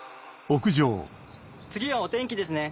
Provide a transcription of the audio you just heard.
次はお天気ですね